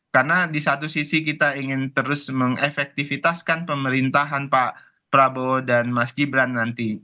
karena di satu sisi kita ingin terus mengefektifitaskan pemerintahan pak prabowo dan mas gibran nanti